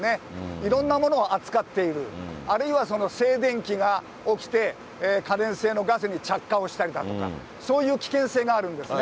いろんなものを扱っている、あるいは静電気が起きて、可燃性のガスに着火をしたりだとか、そういう危険性があるんですね。